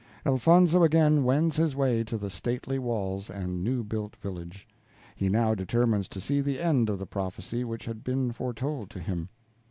Elfonzo again wends his way to the stately walls and new built village. He now determines to see the end of the prophesy which had been foretold to him.